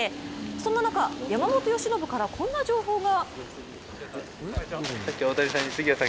そんな中、山本由伸からこんな情報が。